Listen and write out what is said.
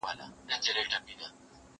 یو لرګی به یې لا هم کړ ور دننه